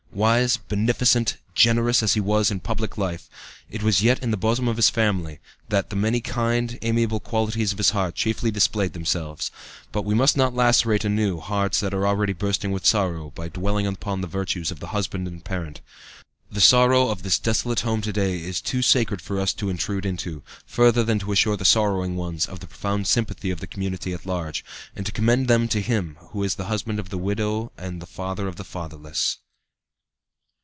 Wise, beneficent, generous as he was in public life, it was yet in the bosom of his family that the many kind, amiable qualities of his heart chiefly displayed themselves. But we must not lacerate anew hearts that are already bursting with sorrow by dwelling upon the virtues of the husband and parent. The sorrow of this desolate home to day is too sacred for us to intrude into, further than to assure the sorrowing ones of the profound sympathy of the community at large, and to commend them to Him who is the husband of the widow and the father of the fatherless.